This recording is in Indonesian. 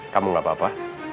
kamu gak apa apa